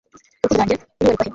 Urukundo rwanjye kuri wewe ruva he